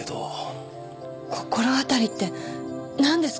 心当たりって何ですか？